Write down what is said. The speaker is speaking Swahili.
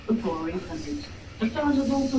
Nilalapo nikuone wewe